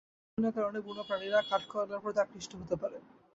তবে ঔষধি গুণের কারণে বুনো প্রাণীরা কাঠকয়লার প্রতি আকৃষ্ট হতে পারে।